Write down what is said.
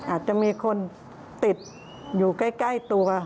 อาจจะมีคนติดอยู่ใกล้ตัว